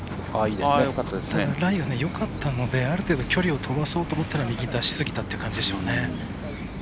ライがよかったのである程度距離を伸ばそうと思ったら右に出しすぎたという感じでしょうね。